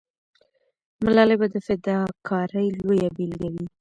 ملالۍ به د فداکارۍ لویه بیلګه وي.